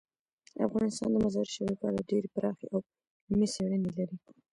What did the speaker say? افغانستان د مزارشریف په اړه ډیرې پراخې او علمي څېړنې لري.